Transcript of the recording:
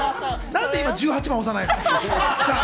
なんで今、１８番押さないの？